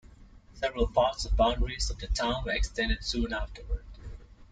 Several parts of boundaries of the town were extended soon afterward.